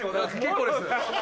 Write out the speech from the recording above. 結構です。